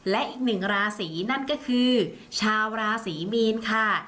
และอีกหนึ่งราศีนั่นก็คือชาวราศรีมีนค่ะ